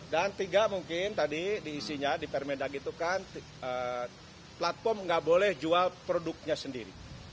dan tiga mungkin tadi di isinya di permendat itu kan platform nggak boleh jual produknya sendiri